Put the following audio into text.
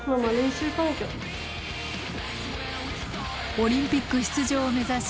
オリンピック出場を目指し